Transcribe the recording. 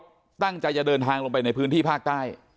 เขาตั้งใจจะเดินทางลงไปในพื้นที่ภาคใต้